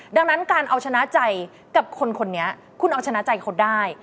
ดังนั้นการเอาชนะใจกับคนคนนี้คุณเอาชนะใจเขาได้